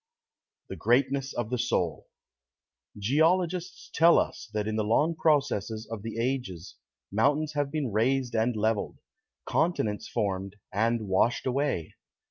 THE GREATNESS OF THE SOUL Geologists tell us that in the long processes of the ages mountains have been raised and leveled, continents formed and washed away.